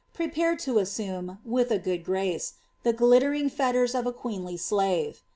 prepared to assume, with a good grace, the glittering fettera of a c^ wv«k slave.